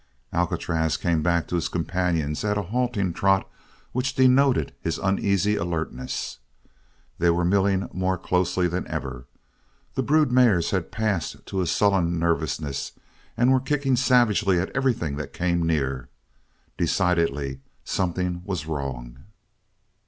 Alcatraz came back to his companions at a halting trot which denoted his uneasy alertness. They were milling more closely than ever. The brood mares had passed to a sullen nervousness and were kicking savagely at everything that came near. Decidedly something was wrong.